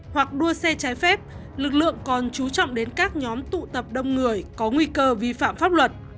hoặc đua xe trái phép lực lượng còn chú trọng đến các nhóm tụ tập đông người có nguy cơ vi phạm pháp luật